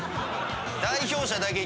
代表者だけ？